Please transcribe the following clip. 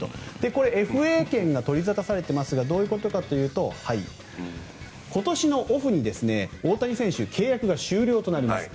これ、ＦＡ権が取り沙汰されていますがどういうことかというと今年のオフに大谷選手契約が終了となります。